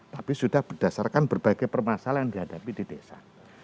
tapi sudah berdasarkan berbagai permasalahan yang dihadapi di desa